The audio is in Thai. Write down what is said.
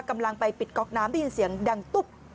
กำลังไปปิดก๊อกน้ำได้ยินเสียงดังตุ๊บ